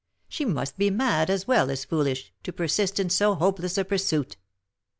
She must be mad, as well as foolish, to persist in so hopeless a pursuit."